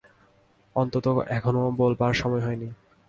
অন্তত এখনো বলবার সময় হয় নি।